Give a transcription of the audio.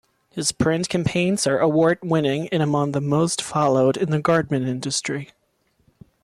His print campaigns are award-winning and among the most followed in the garment industry.